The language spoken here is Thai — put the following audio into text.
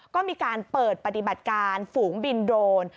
ก็มีการเปิดปฏิบัติการฝูงบินโดรน